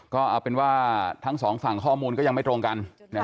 ก็เอาเป็นว่าทั้งสองฝั่งข้อมูลก็ยังไม่ตรงกัน